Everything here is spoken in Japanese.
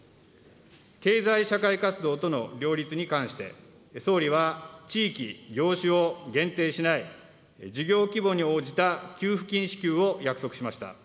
経済・社会活動との両立に関して、総理は地域、業種を限定しない事業規模に応じた給付金支給を約束しました。